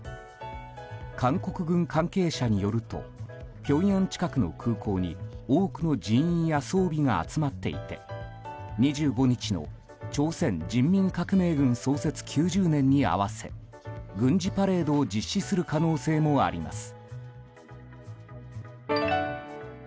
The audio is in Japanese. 韓国軍関係者によるとピョンヤン近くの空港に多くの人員や装備が集まっていて２５日の朝鮮人民革命軍創設９０年に合わせ軍事パレードを実施する可能性もあります。